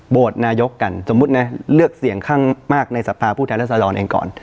นายกกันสมมุตินะเลือกเสี่ยงข้างมากในสภาผู้แทนรัศดรเองก่อน